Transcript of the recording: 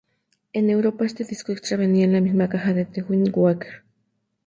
En Europa este disco extra venía en la misma caja que The Wind Waker.